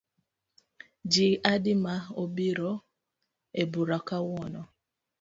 Ji adi ma obiro ebura kawuono?